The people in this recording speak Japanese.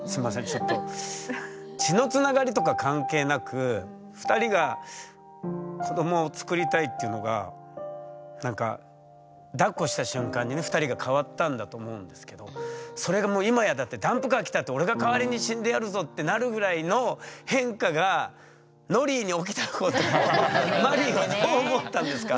ちょっと血のつながりとか関係なく２人が子どもをつくりたいっていうのがなんかだっこした瞬間にね２人が変わったんだと思うんですけどそれがもう今やだって「ダンプカーきたって俺が代わりに死んでやるぞ」ってなるぐらいの変化がノリーに起きたことをマリーがどう思ったんですか？